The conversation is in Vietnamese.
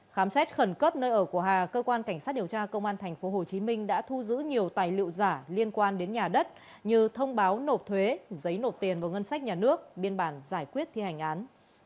khám xét khẩn cấp nơi ở của hà cơ quan cảnh sát điều tra công an tp hcm đã thu giữ nhiều tài liệu giả liên quan đến nhà đất như thông báo nộp thuế giấy nộp tiền vào ngân sách nhà nước biên bản giải quyết thi hành án